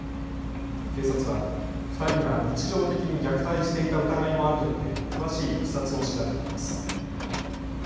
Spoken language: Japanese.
警察は２人が日常的に虐待していた疑いもあると見て詳しいいきさつを調べています。